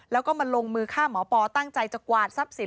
แล้วก็มาลงมือฆ่าหมอปอตั้งใจจะกวาดทรัพย์สิน